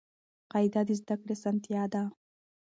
قاعده د زده کړي اسانتیا ده.